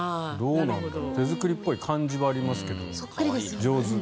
手作りっぽい感じはありますけど上手。